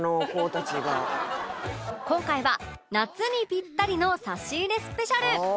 今回は夏にピッタリの差し入れスペシャル